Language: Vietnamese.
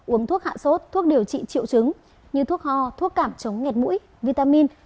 uống thuốc hạ sốt thuốc điều trị triệu chứng như thuốc ho thuốc cảm chống ngẹt mũi vitamin